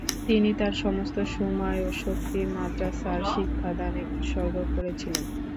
তিনি তার সমস্ত সময় ও শক্তি মাদ্রাসার শিক্ষাদানে উৎসর্গ করেছিলেন।